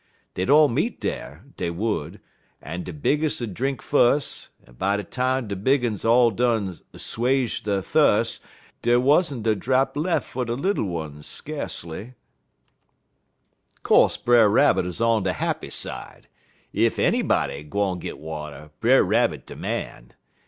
Dey'd all meet dar, dey would, en de bigges' 'ud drink fus', en by de time de big uns all done swaje der thuss dey wa'n't a drap lef' fer de little uns skacely. "Co'se Brer Rabbit 'uz on de happy side. Ef anybody gwine git water Brer Rabbit de man.